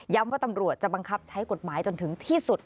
ว่าตำรวจจะบังคับใช้กฎหมายจนถึงที่สุด